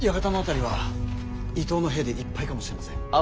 館の辺りは伊東の兵でいっぱいかもしれません。